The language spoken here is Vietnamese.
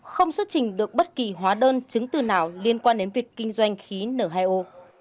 không xuất trình được bất kỳ hóa đơn chứng từ nào liên quan đến việc kinh doanh khí n hai o